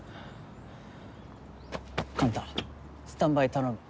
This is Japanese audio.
幹太スタンバイ頼む。